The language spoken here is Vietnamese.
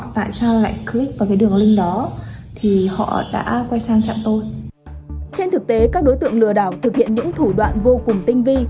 trên thực tế các đối tượng lừa đảo thực hiện những thủ đoạn vô cùng tinh vi